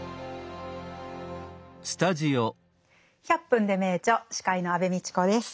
「１００分ｄｅ名著」司会の安部みちこです。